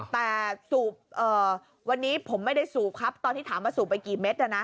แต่สูบวันนี้ผมไม่ได้สูบครับตอนที่ถามว่าสูบไปกี่เม็ด